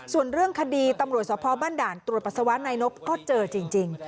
ส่วนเรื่องคดีตำรวจสภบ้านด่านตรวจปัสสาวะนายนบก็เจอจริง